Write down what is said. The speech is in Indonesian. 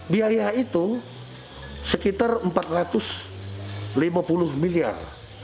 biaya itu sekitar rp empat ratus lima puluh miliar